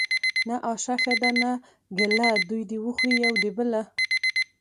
ـ نه آشه ښه ده نه ګله دوي د وخوري يو د بله.